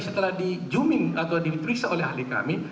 setelah di zooming atau diperiksa oleh ahli kami